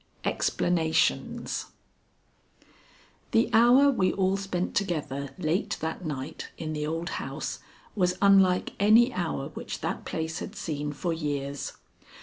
XL EXPLANATIONS The hour we all spent together late that night in the old house was unlike any hour which that place had seen for years.